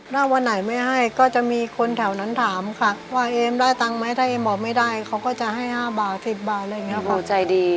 ถ้าวันไหนไม่ให้ก็จะมีคนแถวนั้นถามค่ะว่าเอมได้ตังค์ไหมถ้าเอ็มบอกไม่ได้เขาก็จะให้๕บาท๑๐บาทอะไรอย่างนี้เขาใจดี